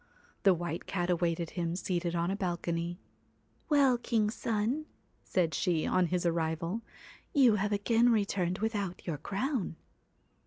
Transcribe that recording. The White Cat awaited him seated on a balcony. 'Well, king's son,' said she, on his arrival, 'you have again returned without your crown.'